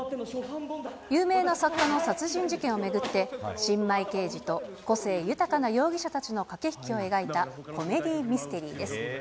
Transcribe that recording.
有名な作家の殺人事件を巡って、新米刑事と個性豊かな容疑者たちの駆け引きを描いたコメディーミステリーです。